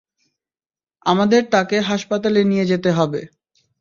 আমাদের তাকে হাসপাতালে নিয়ে যেতে হবে।